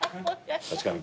確かに。